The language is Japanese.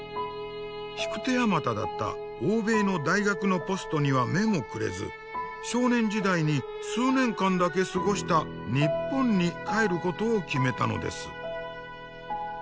引く手あまただった欧米の大学のポストには目もくれず少年時代に数年間だけ過ごした日本に帰ることを決めたのです。